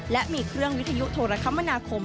และมีเครื่องวิทยุโทรคมนาคม